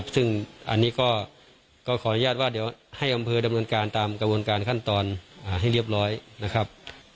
ซึ่งอันนี้ก็ขออนุญาตว่าเดี๋ยวให้อำเภอดำเนินการตามกระบวนการขั้นตอนให้เรียบร้อยนะครับ